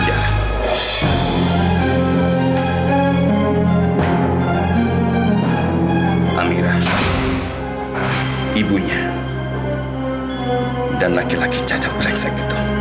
amira ibunya dan laki laki cacat breksek itu